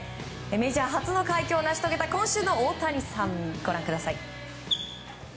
メジャー初の快挙を成し遂げた今週の大谷さん、ご覧ください。